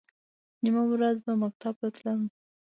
نیمه ورځ به مکتب ته تلم.